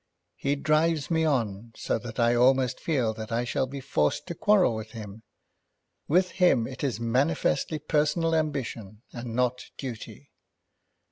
He drives me on, so that I almost feel that I shall be forced to quarrel with him. With him it is manifestly personal ambition, and not duty."